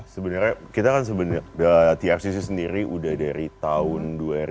sebenarnya kita kan sebenarnya trcc sendiri udah dari tahun dua ribu